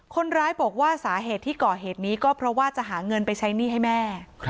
คนร้ายบอกว่าสาเหตุที่ก่อเหตุนี้ก็เพราะว่าจะหาเงินไปใช้หนี้ให้แม่